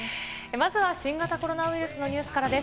まずは新型コロナウイルスのニュースからです。